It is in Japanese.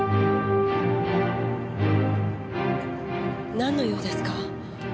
なんの用ですか？